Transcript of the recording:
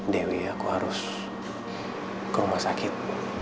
dewi aku harus ke rumah sakit